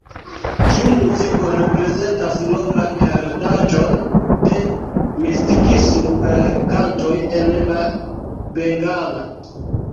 Tiu muziko reprezentas longan heredaĵon de mistikismo per kantoj en la bengala.